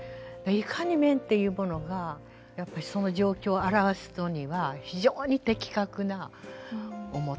いかに面というものがやっぱりその状況を表すのには非常に的確な面。